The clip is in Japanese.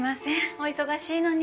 お忙しいのに。